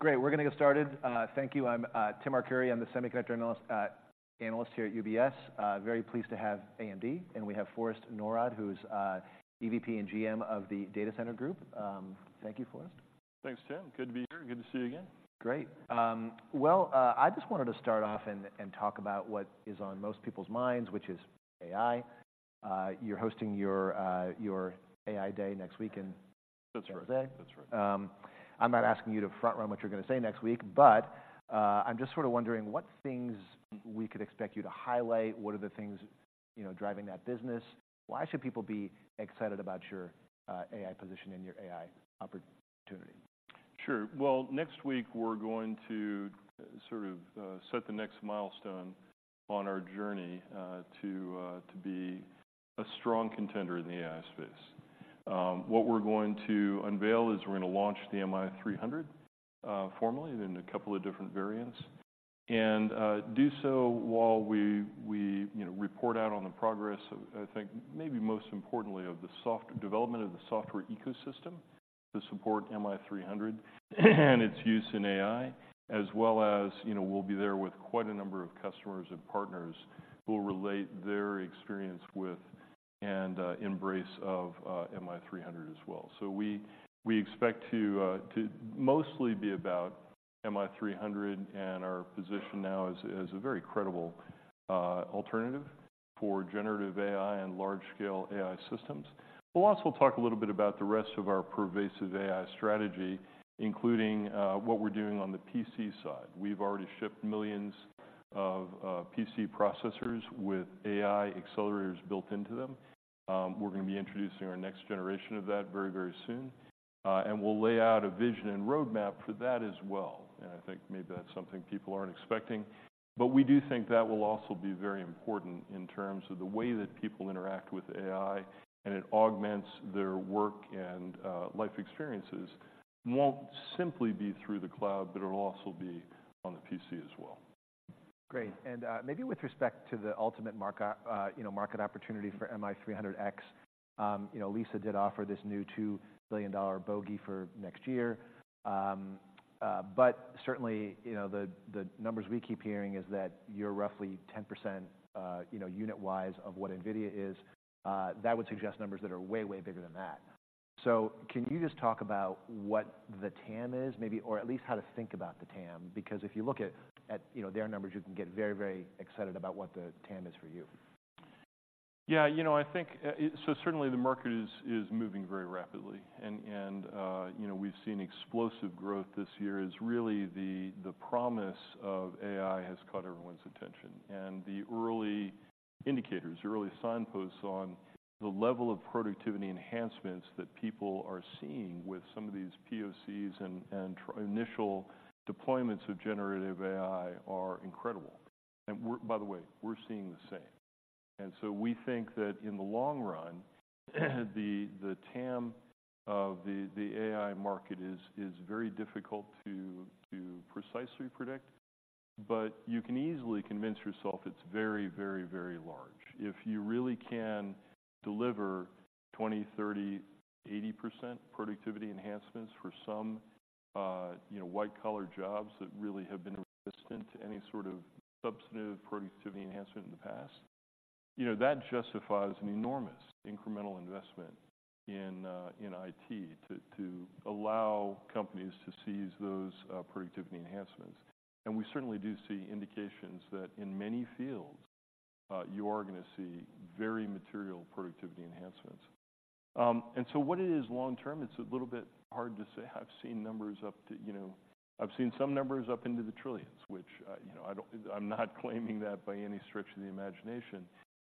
Great, we're gonna get started. Thank you. I'm, Tim Arcuri. I'm the semiconductor analyst, analyst here at UBS. Very pleased to have AMD, and we have Forrest Norrod, who's, EVP and GM of the Data Center Group. Thank you, Forrest. Thanks, Tim. Good to be here, good to see you again. Great. Well, I just wanted to start off and talk about what is on most people's minds, which is AI. You're hosting your AI day next week in- That's right. Thursday. That's right. I'm not asking you to front run what you're gonna say next week, but I'm just sort of wondering what things we could expect you to highlight. What are the things, you know, driving that business? Why should people be excited about your AI position and your AI opportunity? Sure. Well, next week we're going to sort of set the next milestone on our journey to be a strong contender in the AI space. What we're going to unveil is we're gonna launch the MI300 formally in a couple of different variants. And do so while we, you know, report out on the progress of, I think maybe most importantly, of the software development of the software ecosystem to support MI300 and its use in AI, as well as, you know, we'll be there with quite a number of customers and partners who will relate their experience with and embrace of MI300 as well. So we expect to mostly be about MI300, and our position now as a very credible alternative for generative AI and large-scale AI systems. We'll also talk a little bit about the rest of our pervasive AI strategy, including what we're doing on the PC side. We've already shipped millions of PC processors with AI accelerators built into them. We're gonna be introducing our next generation of that very, very soon, and we'll lay out a vision and roadmap for that as well. I think maybe that's something people aren't expecting. We do think that will also be very important in terms of the way that people interact with AI, and it augments their work and life experiences, won't simply be through the cloud, but it'll also be on the PC as well. Great. And maybe with respect to the ultimate market opportunity for MI300X, you know, Lisa did offer this new $2 billion bogey for next year. But certainly, you know, the numbers we keep hearing is that you're roughly 10%, you know, unit-wise, of what NVIDIA is. That would suggest numbers that are way, way bigger than that. So can you just talk about what the TAM is maybe, or at least how to think about the TAM? Because if you look at, you know, their numbers, you can get very, very excited about what the TAM is for you. Yeah, you know, I think. So certainly the market is moving very rapidly and, you know, we've seen explosive growth this year as really the promise of AI has caught everyone's attention. And the early indicators, the early signposts on the level of productivity enhancements that people are seeing with some of these POCs and initial deployments of generative AI are incredible. And we're—By the way, we're seeing the same. And so we think that in the long run, the TAM of the AI market is very difficult to precisely predict, but you can easily convince yourself it's very, very, very large. If you really can deliver 20%, 30%, 80% productivity enhancements for some, you know, white-collar jobs that really have been resistant to any sort of substantive productivity enhancement in the past, you know, that justifies an enormous incremental investment in, in IT to allow companies to seize those, productivity enhancements. And we certainly do see indications that in many fields, you are gonna see very material productivity enhancements. And so what it is long term, it's a little bit hard to say. I've seen numbers up to, you know... I've seen some numbers up into the trillions, which, you know, I don't. I'm not claiming that by any stretch of the imagination,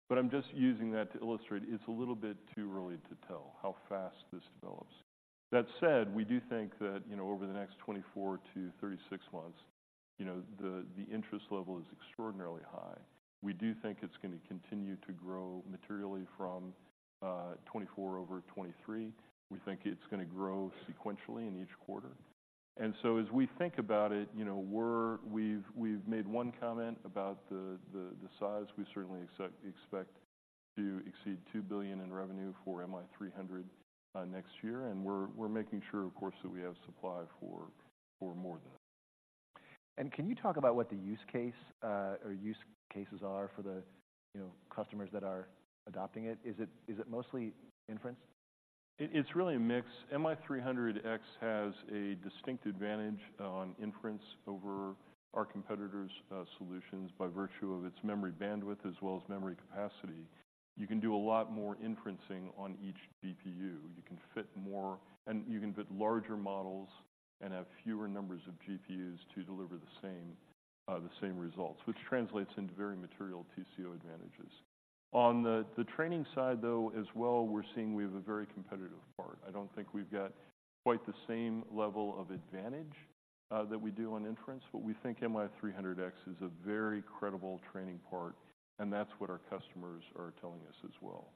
but I'm just using that to illustrate it's a little bit too early to tell how fast this develops. That said, we do think that, you know, over the next 24-36 months, you know, the, the interest level is extraordinarily high. We do think it's gonna continue to grow materially from 2024 over 2023. We think it's gonna grow sequentially in each quarter. And so as we think about it, you know, we're- we've, we've made one comment about the, the, the size. We certainly expect to exceed $2 billion in revenue for MI300 next year, and we're, we're making sure, of course, that we have supply for, for more than that. Can you talk about what the use case, or use cases are for the, you know, customers that are adopting it? Is it, is it mostly inference? It's really a mix. MI300X has a distinct advantage on inference over our competitors' solutions by virtue of its memory bandwidth as well as memory capacity. You can do a lot more inferencing on each GPU. You can fit more, and you can fit larger models and have fewer numbers of GPUs to deliver the same, the same results, which translates into very material TCO advantages. On the training side, though, as well, we're seeing we have a very competitive part. I don't think we've got quite the same level of advantage that we do on inference, but we think MI300X is a very credible training part, and that's what our customers are telling us as well.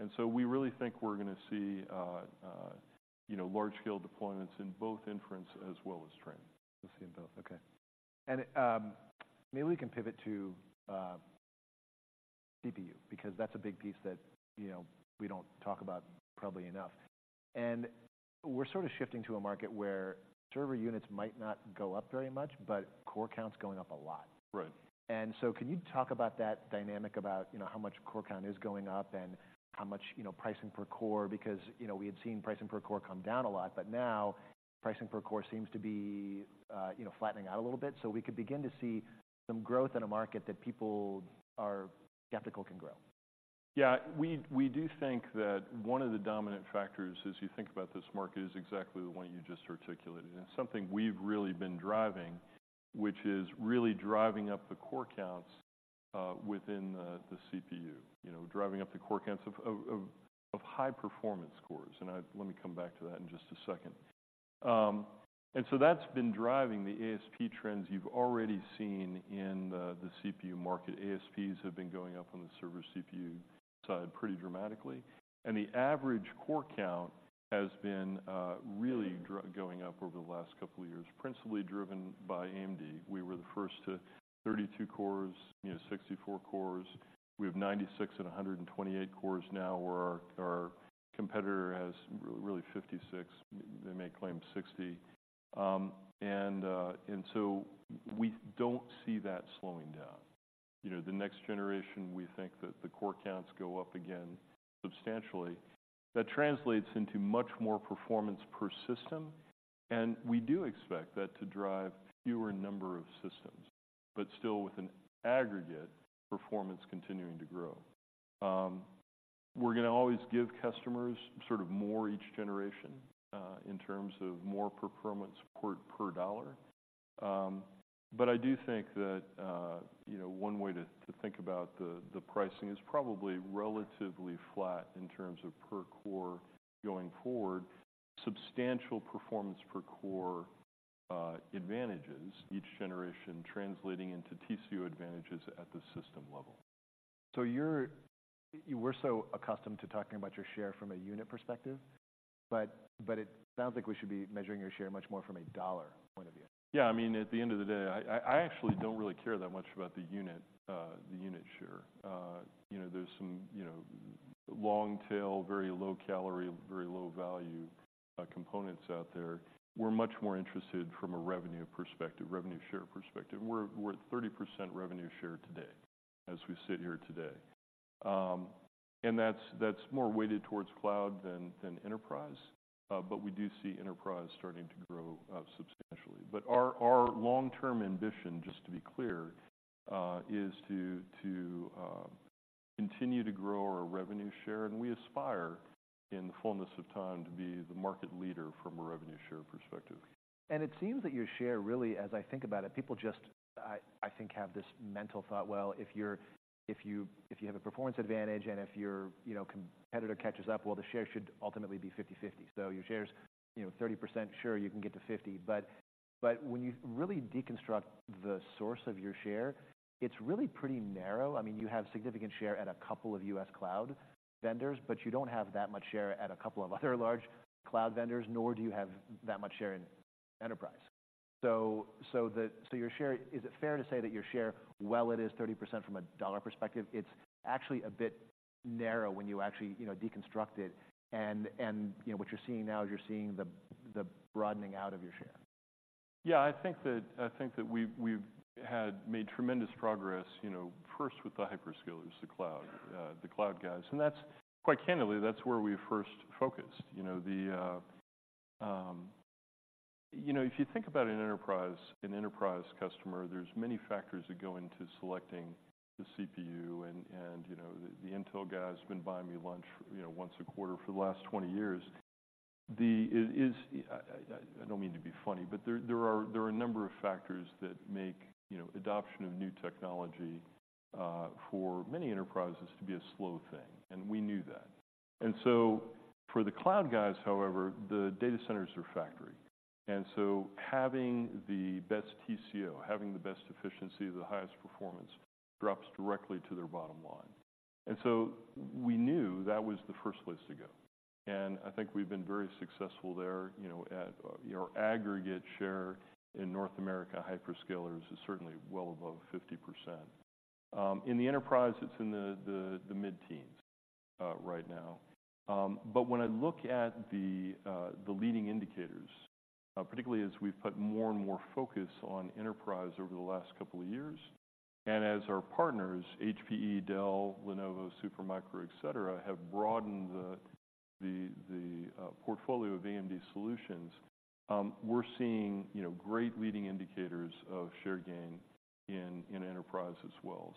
And so we really think we're gonna see you know, large-scale deployments in both inference as well as training. We'll see in both. Okay. And maybe we can pivot to CPU, because that's a big piece that, you know, we don't talk about probably enough. And we're sort of shifting to a market where server units might not go up very much, but core count's going up a lot. Right. And so can you talk about that dynamic, about, you know, how much core count is going up and how much, you know, pricing per core? Because, you know, we had seen pricing per core come down a lot, but now pricing per core seems to be, you know, flattening out a little bit. So we could begin to see some growth in a market that people are skeptical can grow. Yeah, we do think that one of the dominant factors as you think about this market is exactly the one you just articulated, and it's something we've really been driving, which is really driving up the core counts within the CPU. You know, driving up the core counts of high performance cores, and let me come back to that in just a second. And so that's been driving the ASP trends you've already seen in the CPU market. ASPs have been going up on the server CPU side pretty dramatically, and the average core count has been really going up over the last couple of years, principally driven by AMD. We were the first to 32 cores, you know, 64 cores. We have 96 and 128 cores now, where our competitor has really 56, they may claim 60. And so we don't see that slowing down. You know, the next generation, we think that the core counts go up again substantially. That translates into much more performance per system, and we do expect that to drive fewer number of systems, but still with an aggregate performance continuing to grow. We're gonna always give customers sort of more each generation in terms of more performance core per dollar. But I do think that you know, one way to think about the pricing is probably relatively flat in terms of per core going forward, substantial performance per core advantages each generation, translating into TCO advantages at the system level. So we're so accustomed to talking about your share from a unit perspective, but it sounds like we should be measuring your share much more from a dollar point of view. Yeah, I mean, at the end of the day, I actually don't really care that much about the unit, the unit share. You know, there's some, you know, long tail, very low calorie, very low value, components out there. We're much more interested from a revenue perspective, revenue share perspective. We're at 30% revenue share today, as we sit here today. And that's more weighted towards cloud than enterprise, but we do see enterprise starting to grow substantially. But our long-term ambition, just to be clear, is to continue to grow our revenue share, and we aspire, in the fullness of time, to be the market leader from a revenue share perspective. It seems that your share, really, as I think about it, people just, I, I think, have this mental thought: Well, if you're—if you, if you have a performance advantage and if your, you know, competitor catches up, well, the share should ultimately be 50/50. So your share's, you know, 30%, sure, you can get to 50. But, but when you really deconstruct the source of your share, it's really pretty narrow. I mean, you have significant share at a couple of U.S. cloud vendors, but you don't have that much share at a couple of other large cloud vendors, nor do you have that much share in enterprise. So your share. Is it fair to say that your share, while it is 30% from a dollar perspective, it's actually a bit narrow when you actually, you know, deconstruct it, and you know, what you're seeing now is you're seeing the broadening out of your share? Yeah, I think that we've had made tremendous progress, you know, first with the hyperscalers, the cloud, the cloud guys. And that's... Quite candidly, that's where we first focused. You know, the... You know, if you think about an enterprise customer, there's many factors that go into selecting the CPU and, you know, the Intel guys have been buying me lunch, you know, once a quarter for the last 20 years. It is. I don't mean to be funny, but there are a number of factors that make, you know, adoption of new technology for many enterprises to be a slow thing, and we knew that. And so for the cloud guys, however, the data centers are factories, and so having the best TCO, having the best efficiency, the highest performance, drops directly to their bottom line. And so we knew that was the first place to go, and I think we've been very successful there. You know, our aggregate share in North America hyperscalers is certainly well above 50%. In the enterprise, it's in the mid-teens right now. But when I look at the leading indicators, particularly as we've put more and more focus on enterprise over the last couple of years, and as our partners, HPE, Dell, Lenovo, Supermicro, et cetera, have broadened the portfolio of AMD solutions, we're seeing, you know, great leading indicators of share gain in enterprise as well.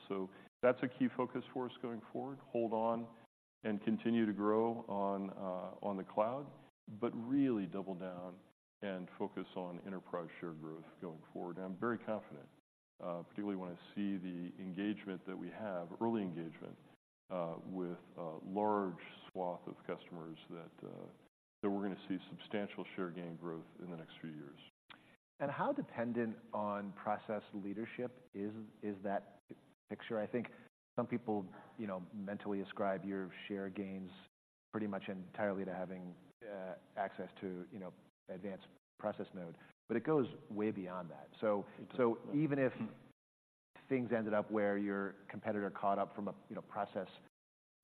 That's a key focus for us going forward: hold on and continue to grow on, on the cloud, but really double down and focus on enterprise share growth going forward. I'm very confident, particularly when I see the engagement that we have, early engagement, with a large swath of customers, that, that we're gonna see substantial share gain growth in the next few years. How dependent on process leadership is that picture? I think some people, you know, mentally ascribe your share gains pretty much entirely to having access to, you know, advanced process node, but it goes way beyond that. So even if things ended up where your competitor caught up from a, you know, process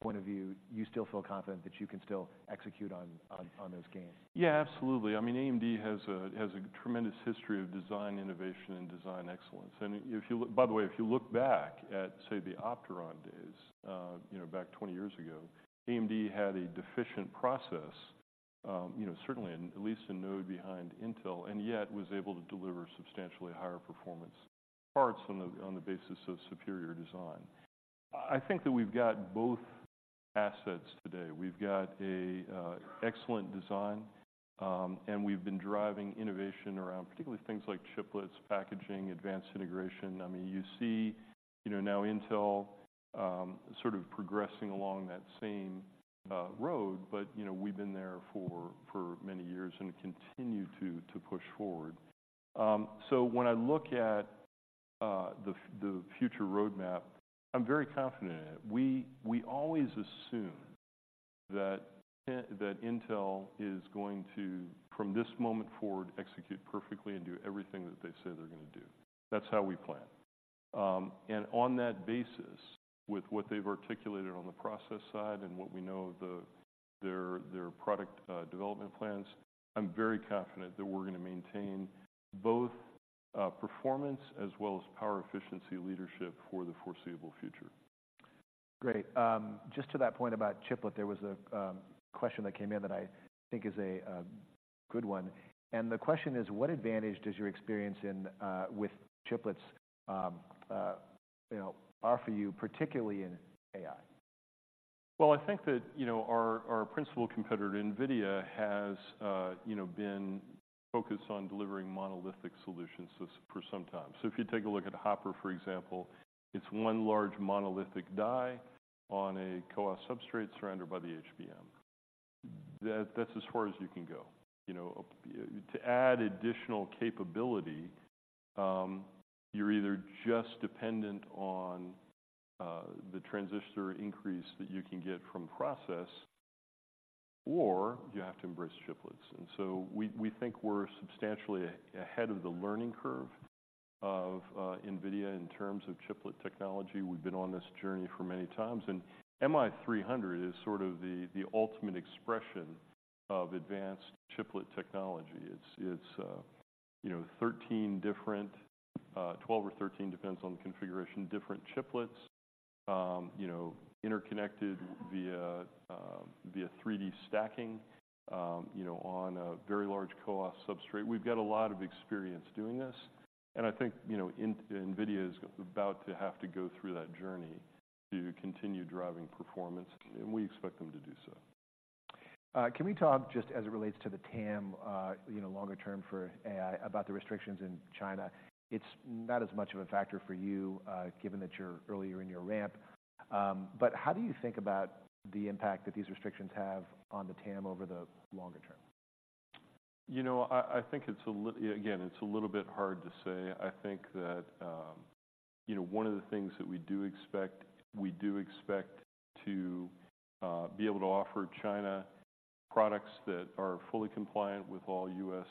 point of view, you still feel confident that you can still execute on those gains? Yeah, absolutely. I mean, AMD has a tremendous history of design innovation and design excellence. By the way, if you look back at, say, the Opteron days, you know, back 20 years ago, AMD had a deficient process, you know, certainly in at least a node behind Intel, and yet was able to deliver substantially higher performance parts on the basis of superior design. I think that we've got both assets today. We've got a excellent design, and we've been driving innovation around, particularly things like chiplets, packaging, advanced integration. I mean, you see, you know, now Intel sort of progressing along that same road, but, you know, we've been there for many years and continue to push forward. So when I look at the future roadmap, I'm very confident in it. We always assume that Intel is going to, from this moment forward, execute perfectly and do everything that they say they're gonna do. That's how we plan. And on that basis, with what they've articulated on the process side and what we know of their product development plans, I'm very confident that we're gonna maintain both performance as well as power efficiency leadership for the foreseeable future. Great. Just to that point about chiplet, there was a question that came in that I think is a good one. And the question is: What advantage does your experience in with chiplets, you know, offer you, particularly in AI? Well, I think that, you know, our principal competitor, NVIDIA, has, you know, been focused on delivering monolithic solutions for some time. So if you take a look at Hopper, for example, it's one large monolithic die on a CoWoS substrate surrounded by the HBM. That's as far as you can go. You know, to add additional capability, you're either just dependent on the transistor increase that you can get from process, or you have to embrace chiplets. And so we think we're substantially ahead of the learning curve of NVIDIA in terms of chiplet technology. We've been on this journey for many times, and MI300 is sort of the ultimate expression of advanced chiplet technology. It's, it's you know, 13 different, 12 or 13, depends on the configuration, different chiplets, you know, interconnected via via 3D stacking, you know, on a very large CoWoS substrate. We've got a lot of experience doing this, and I think, you know, NVIDIA is about to have to go through that journey to continue driving performance, and we expect them to do so. Can we talk just as it relates to the TAM, you know, longer term for AI, about the restrictions in China? It's not as much of a factor for you, given that you're earlier in your ramp. But how do you think about the impact that these restrictions have on the TAM over the longer term? You know, I think it's a little. Again, it's a little bit hard to say. I think that, you know, one of the things that we do expect, we do expect to be able to offer China products that are fully compliant with all U.S.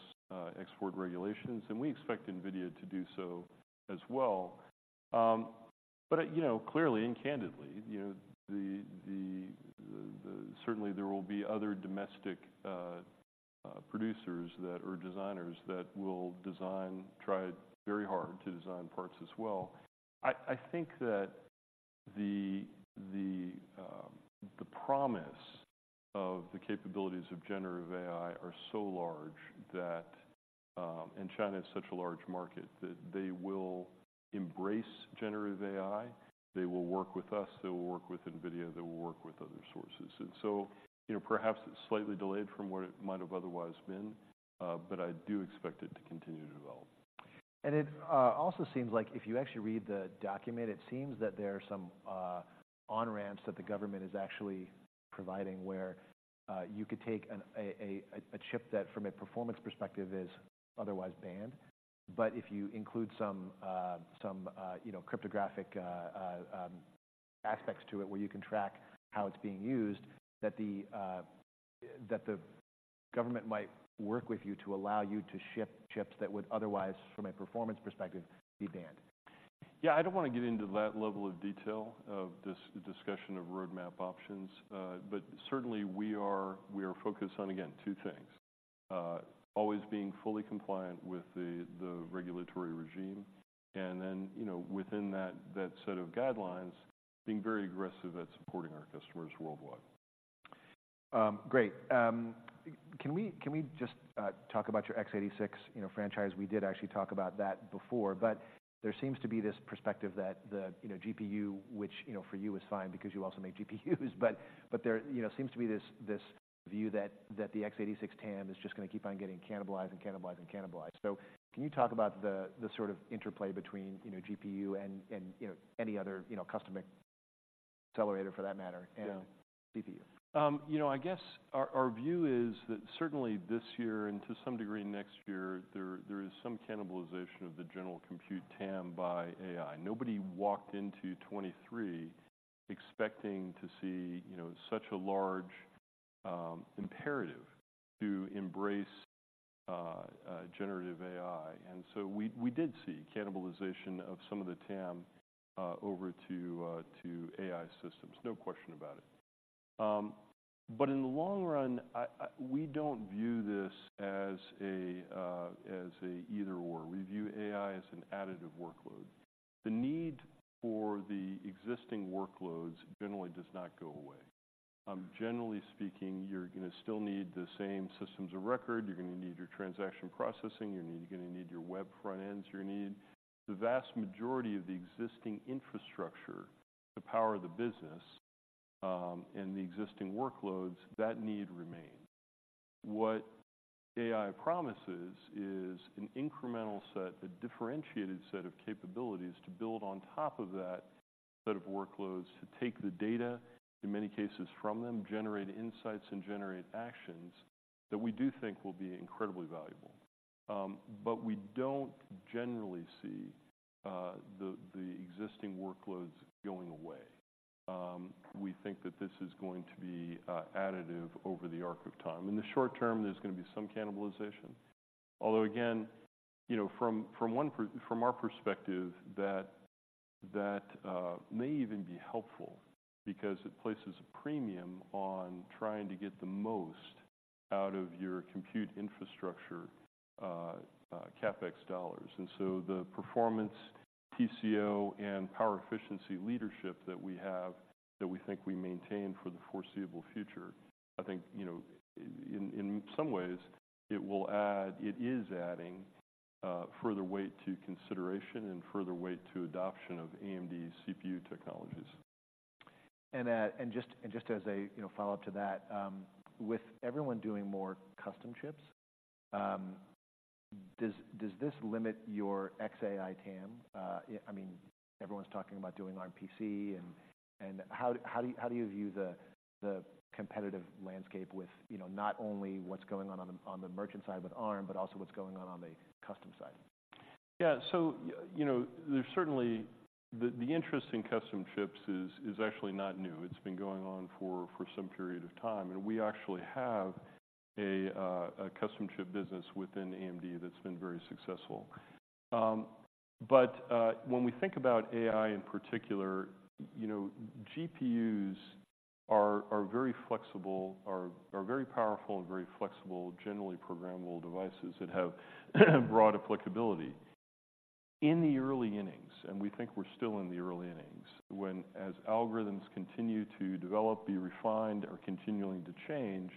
export regulations, and we expect NVIDIA to do so as well. But, you know, clearly and candidly, you know, certainly there will be other domestic producers that, or designers that will design, try very hard to design parts as well. I think that the promise of the capabilities of generative AI are so large that, and China is such a large market, that they will embrace generative AI. They will work with us, they will work with NVIDIA, they will work with other sources. And so, you know, perhaps it's slightly delayed from what it might have otherwise been, but I do expect it to continue to develop. And it also seems like if you actually read the document, it seems that there are some on-ramps that the government is actually providing, where you could take a chip that, from a performance perspective, is otherwise banned. But if you include some you know cryptographic aspects to it, where you can track how it's being used, that the government might work with you to allow you to ship chips that would otherwise, from a performance perspective, be banned. Yeah, I don't want to get into that level of detail of discussion of roadmap options, but certainly we are, we are focused on, again, two things: always being fully compliant with the regulatory regime, and then, you know, within that set of guidelines, being very aggressive at supporting our customers worldwide. Great. Can we just talk about your x86, you know, franchise? We did actually talk about that before, but there seems to be this perspective that the, you know, GPU, which, you know, for you is fine because you also make GPUs, but there, you know, seems to be this view that the x86 TAM is just gonna keep on getting cannibalized, and cannibalized, and cannibalized. So can you talk about the sort of interplay between, you know, GPU and, you know, any other, you know, custom accelerator, for that matter- Yeah... and GPU? You know, our view is that certainly this year, and to some degree, next year, there is some cannibalization of the general compute TAM by AI. Nobody walked into 2023 expecting to see, you know, such a large imperative to embrace generative AI. And so we did see cannibalization of some of the TAM over to AI systems, no question about it. But in the long run, I—we don't view this as an either/or. We view AI as an additive workload. The need for the existing workloads generally does not go away. Generally speaking, you're gonna still need the same systems of record, you're gonna need your transaction processing, you're gonna need your web front ends, you're gonna need the vast majority of the existing infrastructure to power the business, and the existing workloads, that need remains. What AI promises is an incremental set, a differentiated set of capabilities to build on top of that set of workloads, to take the data, in many cases, from them, generate insights and generate actions that we do think will be incredibly valuable. But we don't generally see the existing workloads going away. We think that this is going to be additive over the arc of time. In the short term, there's gonna be some cannibalization, although again, you know, from our perspective, that may even be helpful because it places a premium on trying to get the most out of your compute infrastructure, CapEx dollars. And so the performance, TCO, and power efficiency leadership that we have, that we think we maintain for the foreseeable future, I think, you know, in some ways it will add—it is adding further weight to consideration and further weight to adoption of AMD's CPU technologies. And just as a, you know, follow-up to that, with everyone doing more custom chips, does this limit your XAI TAM? I mean, everyone's talking about doing Arm PC and how do you view the competitive landscape with, you know, not only what's going on on the merchant side with Arm, but also what's going on on the custom side? Yeah. So you know, there's certainly... The interest in custom chips is actually not new. It's been going on for some period of time, and we actually have a custom chip business within AMD that's been very successful. But when we think about AI in particular, you know, GPUs are very flexible, very powerful and very flexible, generally programmable devices that have broad applicability. In the early innings, and we think we're still in the early innings, when as algorithms continue to develop, be refined, are continuing to change,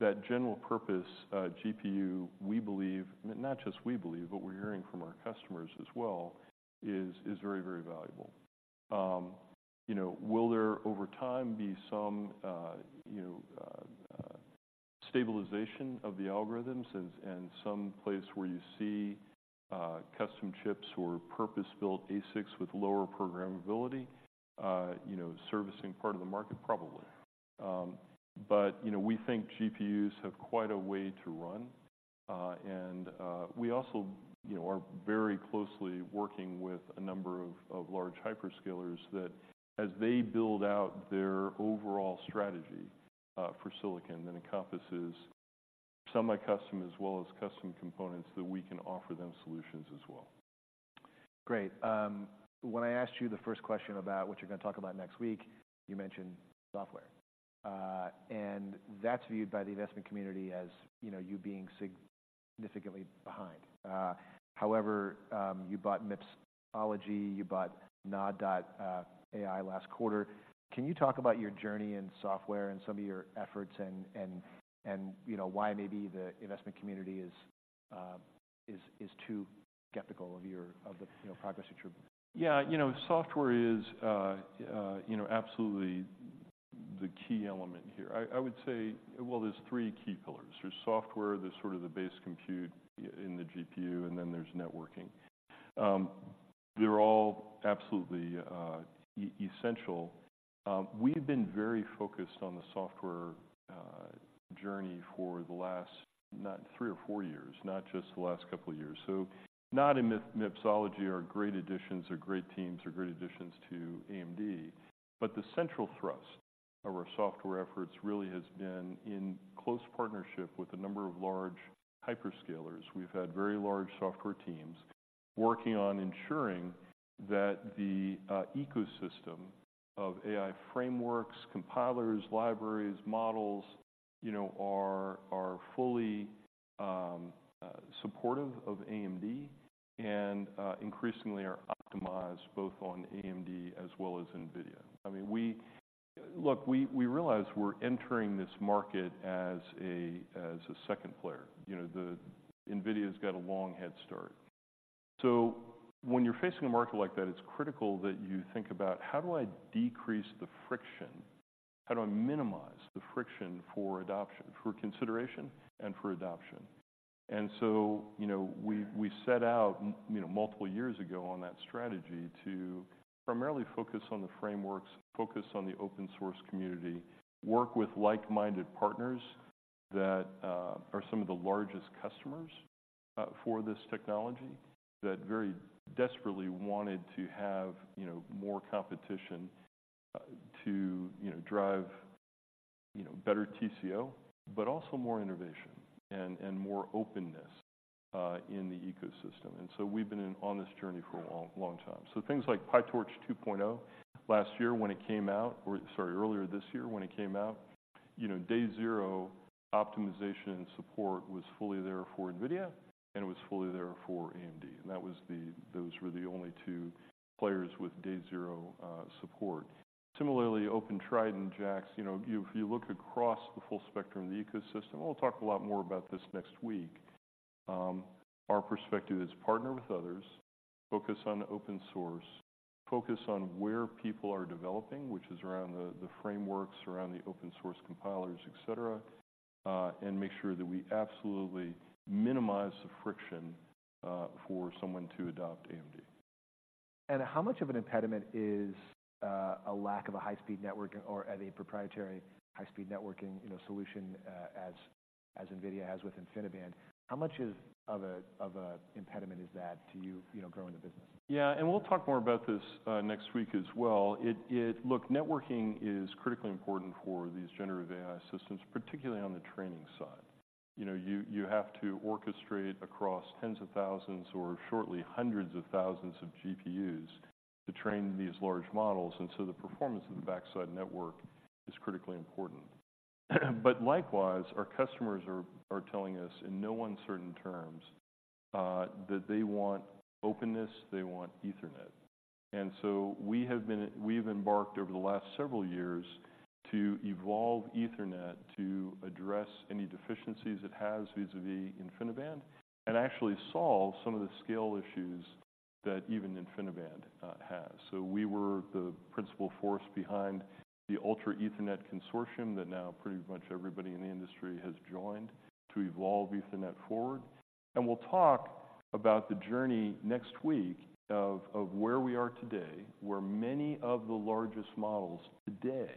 that general purpose GPU, we believe, not just we believe, but we're hearing from our customers as well, is very, very valuable. You know, will there, over time, be some, you know, stabilization of the algorithms and some place where you see custom chips or purpose-built ASICs with lower programmability, you know, servicing part of the market? Probably. But, you know, we think GPUs have quite a way to run. And we also, you know, are very closely working with a number of large hyperscalers that as they build out their overall strategy for silicon, that encompasses semi-custom as well as custom components, that we can offer them solutions as well. Great. When I asked you the first question about what you're gonna talk about next week, you mentioned software. And that's viewed by the investment community as, you know, you being significantly behind. However, you bought Mipsology, you bought Nod.ai last quarter. Can you talk about your journey in software and some of your efforts and, you know, why maybe the investment community is too skeptical of your- of the, you know, progress that you're- Yeah, you know, software is, you know, absolutely the key element here. I would say, well, there's three key pillars. There's software, there's sort of the base compute in the GPU, and then there's networking. They're all absolutely essential. We've been very focused on the software journey for the last three or four years, not just the last couple of years. So Nod and Mipsology are great additions, are great teams, are great additions to AMD. But the central thrust of our software efforts really has been in close partnership with a number of large hyperscalers. We've had very large software teams working on ensuring that the ecosystem of AI frameworks, compilers, libraries, models, you know, are fully supportive of AMD and increasingly are optimized both on AMD as well as NVIDIA. I mean, we. Look, we realize we're entering this market as a second player. You know, NVIDIA's got a long head start. So when you're facing a market like that, it's critical that you think about: How do I decrease the friction? How do I minimize the friction for adoption, for consideration and for adoption? And so, you know, we set out, you know, multiple years ago on that strategy to primarily focus on the frameworks, focus on the open source community, work with like-minded partners that are some of the largest customers for this technology, that very desperately wanted to have, you know, more competition, to, you know, drive, you know, better TCO, but also more innovation and more openness in the ecosystem. And so we've been in on this journey for a long, long time. So things like PyTorch 2.0 last year, when it came out, or sorry, earlier this year, when it came out, you know, day zero, optimization and support was fully there for NVIDIA, and it was fully there for AMD, and that was the, those were the only two players with day zero support. Similarly, Open Triton, JAX, you know, if you look across the full spectrum of the ecosystem, we'll talk a lot more about this next week. Our perspective is partner with others, focus on open source, focus on where people are developing, which is around the, the frameworks, around the open source compilers, et cetera, and make sure that we absolutely minimize the friction for someone to adopt AMD. How much of an impediment is a lack of a high-speed network or and a proprietary high-speed networking, you know, solution, as NVIDIA has with InfiniBand? How much of an impediment is that to you, you know, growing the business? Yeah, and we'll talk more about this next week as well. Look, networking is critically important for these generative AI systems, particularly on the training side. You know, you have to orchestrate across tens of thousands or shortly hundreds of thousands of GPUs to train these large models, and so the performance of the backside network is critically important. But likewise, our customers are telling us in no uncertain terms that they want openness, they want Ethernet. And so we have been. We've embarked over the last several years to evolve Ethernet to address any deficiencies it has vis-a-vis InfiniBand, and actually solve some of the scale issues that even InfiniBand has. So we were the principal force behind the Ultra Ethernet Consortium, that now pretty much everybody in the industry has joined to evolve Ethernet forward. We'll talk about the journey next week of where we are today, where many of the largest models today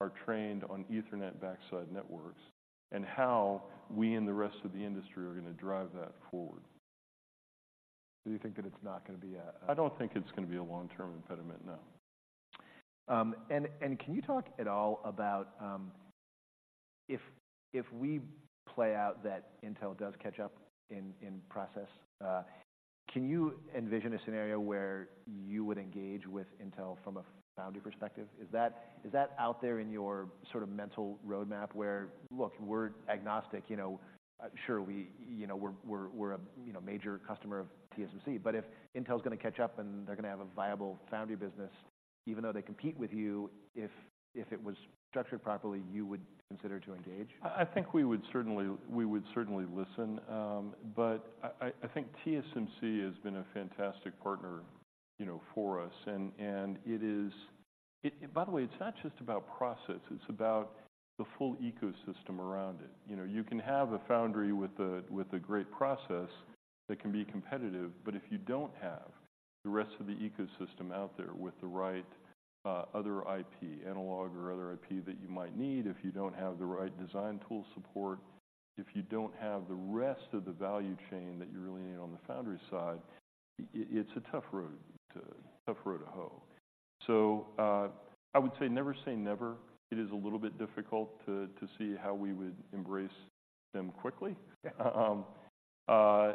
are trained on Ethernet backside networks, and how we and the rest of the industry are going to drive that forward. Do you think that it's not going to be a? I don't think it's going to be a long-term impediment, no. And can you talk at all about, if we play out that Intel does catch up in process, can you envision a scenario where you would engage with Intel from a foundry perspective? Is that out there in your sort of mental roadmap where... Look, we're agnostic, you know, sure, we, you know, we're a, you know, major customer of TSMC, but if Intel's going to catch up and they're going to have a viable foundry business, even though they compete with you, if it was structured properly, you would consider to engage? I think we would certainly listen. But I think TSMC has been a fantastic partner, you know, for us. And it is. It. By the way, it's not just about process, it's about the full ecosystem around it. You know, you can have a foundry with a great process that can be competitive, but if you don't have the rest of the ecosystem out there with the right other IP, analog or other IP that you might need, if you don't have the right design tool support, if you don't have the rest of the value chain that you really need on the foundry side, it's a tough road to hoe. So I would say never say never. It is a little bit difficult to see how we would embrace them quickly. Yeah.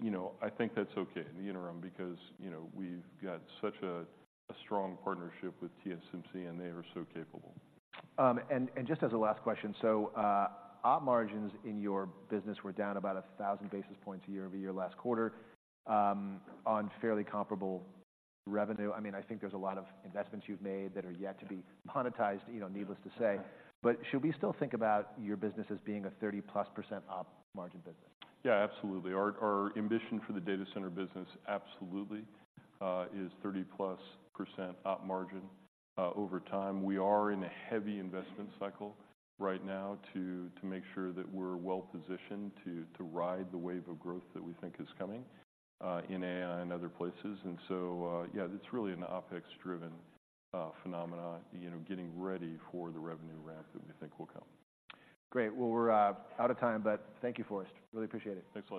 you know, I think that's okay in the interim because, you know, we've got such a strong partnership with TSMC, and they are so capable. Just as a last question, op margins in your business were down about 1,000 basis points year-over-year last quarter on fairly comparable revenue. I mean, I think there's a lot of investments you've made that are yet to be monetized, you know, needless to say. Yeah. Should we still think about your business as being a 30%+ op margin business? Yeah, absolutely. Our ambition for the data center business absolutely is 30%+ op margin. Over time, we are in a heavy investment cycle right now to make sure that we're well-positioned to ride the wave of growth that we think is coming in AI and other places. And so, yeah, it's really an OpEx-driven phenomena, you know, getting ready for the revenue ramp that we think will come. Great. Well, we're out of time, but thank you, Forrest. Really appreciate it. Thanks a lot.